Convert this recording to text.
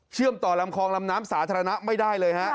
เชื่อมต่อลำคลองลำน้ำสาธารณะไม่ได้เลย